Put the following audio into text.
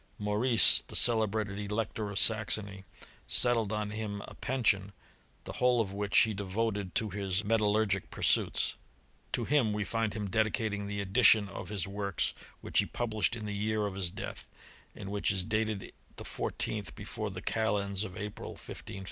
Maurice, the^ celebrated Elector of Saxony, settled on him a pension^ ^ the whole of which he devoted to hismetallurgicpursuitSi'"; To him we find him dedicating the edition of his workf which he published in the year of his death, and whicks is dated the fourteenth before the calends of April, 1555i?